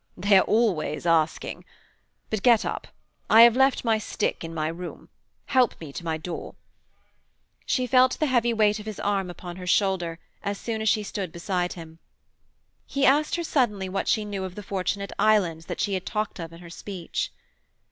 'They are always asking! But get up. I have left my stick in my room. Help me to my door.' She felt the heavy weight of his arm upon her shoulder as soon as she stood beside him. He asked her suddenly what she knew of the Fortunate Islands that she had talked of in her speech.